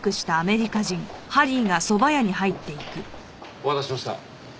お待たせしました。